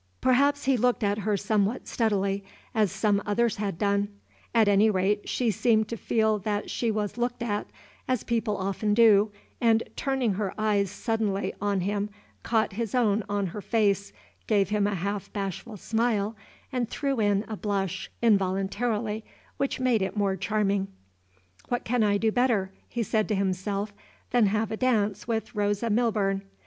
Perhaps he looked at her somewhat steadily, as some others had done; at any rate, she seemed to feel that she was looked at, as people often do, and, turning her eyes suddenly on him, caught his own on her face, gave him a half bashful smile, and threw in a blush involuntarily which made it more charming. "What can I do better," he said to himself, "than have a dance with Rosa Milburn?"